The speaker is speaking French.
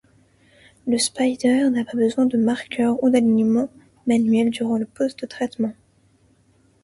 Le Spider n’a pas besoin de marqueur ou d’alignement manuel durant le post-traitement.